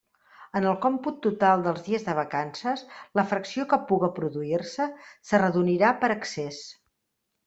En el còmput total dels dies de vacances, la fracció que puga produir-se s'arredonirà per excés.